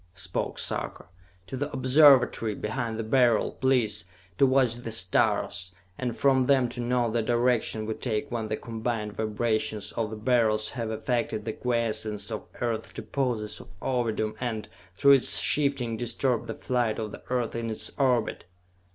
spoke Sarka. "To the Observatory, behind the Beryl, please, to watch the stars, and from them to note the direction we take when the combined vibrations of the Beryls have affected the quiescence of Earth's deposits of Ovidum and, through its shifting, disturbed the flight of the Earth in its orbit!"